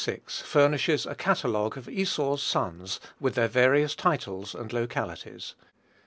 Furnishes a catalogue of Esau's sons, with their various titles and localities.